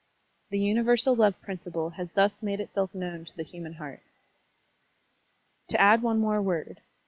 The universal love principle has thus made itself known to the htmian heart. To add one more word.